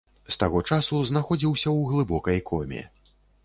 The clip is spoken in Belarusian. З таго часу знаходзіўся ў глыбокай коме.